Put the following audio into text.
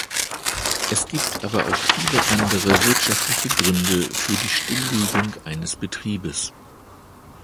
Es gibt aber auch viele andere wirtschaftliche Gründe für die Stilllegung eines Betriebes.